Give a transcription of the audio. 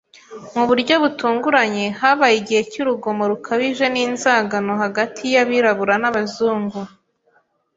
Mu buryo butunguranye, habaye igihe cyurugomo rukabije ninzangano hagati yabirabura n'abazungu.